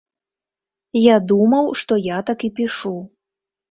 Я думаў, што я так і пішу.